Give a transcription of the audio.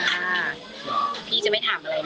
อยากให้สังคมรับรู้ด้วย